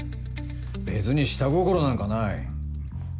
別に下心なんかない。